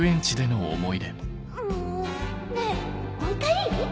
もうねぇもう一回いい？